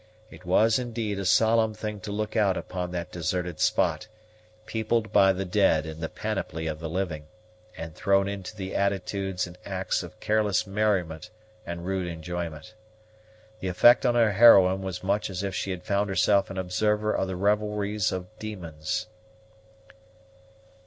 It was, indeed, a solemn thing to look out upon that deserted spot, peopled by the dead in the panoply of the living, and thrown into the attitudes and acts of careless merriment and rude enjoyment. The effect on our heroine was much as if she had found herself an observer of the revelries of demons.